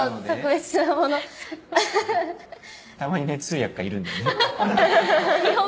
たまに通訳がいるんだよね。